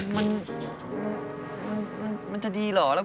มันมันจะดีเหรอ